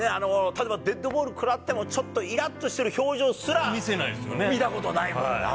例えば、デッドボール食らっても、ちょっといらってしている表情す見たことないもんな。